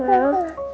itu dia mama